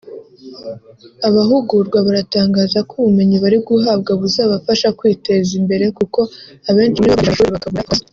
Abahugurwa baratangaza ko ubumenyi bari guhabwa buzabafasha kwiteza imbere kuko abenshi muri bo barangije amashuri bakabura akazi